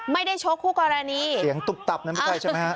ไม่ได้ชกคู่กรณีเสียงตุบตับนั้นไม่ใช่ใช่มั้ยฮะ